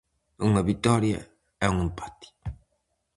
Unha vitoria e un empate.